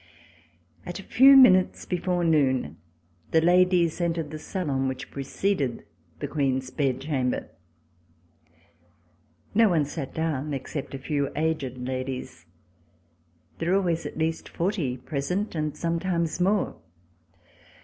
At a few minutes before noon the ladles entered the salon which preceded the Queen's bed chamber. No one sat down except a few aged ladies. There were always at least forty present and sometimes more.